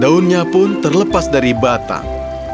daunnya pun terlepas dari batang